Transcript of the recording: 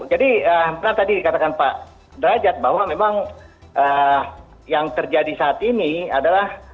jadi pernah tadi dikatakan pak derajat bahwa memang yang terjadi saat ini adalah